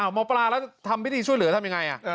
หมอปลาแล้วทำพิธีช่วยเหลือทำยังไง